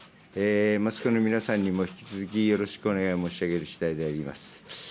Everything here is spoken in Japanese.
マスコミの皆さんにも引き続きよろしくお願い申し上げるしだいであります。